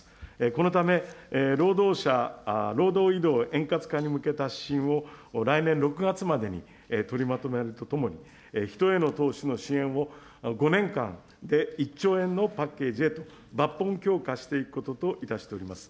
このため、労働者、労働移動円滑化に向けた指針を、来年６月までに取りまとめるとともに、人への投資の支援を５年間で１兆円のパッケージへと抜本強化していくことといたしております。